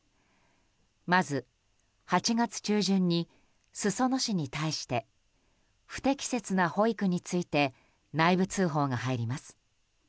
まず、８月中旬に裾野市に対して不適切な保育について内部通報が入ります。